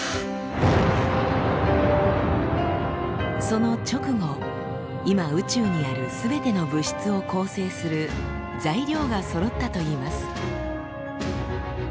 その直後今宇宙にあるすべての物質を構成する「材料」がそろったといいます。